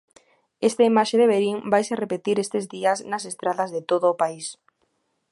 Esta imaxe de Verín vaise repetir estes días nas estradas de todo o país.